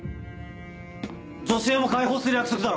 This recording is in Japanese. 女性も解放する約束だろ。